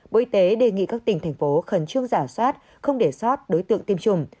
bộ y tế đề nghị các tỉnh thành phố khẩn trương giả soát không để sót đối tượng tiêm chủng